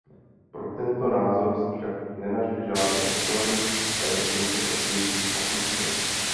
Pro tento názor se však nenašly žádné doklady a je v současnosti opuštěn.